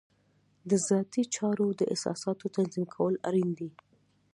د ذاتي چارو د اساساتو تنظیم کول اړین دي.